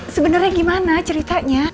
sebenernya gimana ceritanya